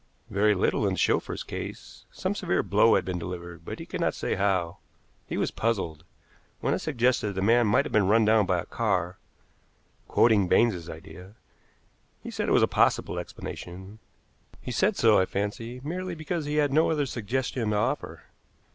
"Very little in the chauffeur's case. Some severe blow had been delivered, but he could not say how. He was puzzled. When I suggested the man might have been run down by a car quoting Baines's idea he said it was a possible explanation. He said so, I fancy, merely because he had no other suggestion to offer."